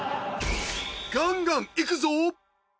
ガンガンいくぞ。